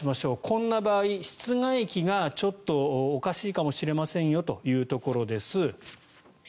こんな場合、室外機がちょっとおかしいかもしれませんよというところです。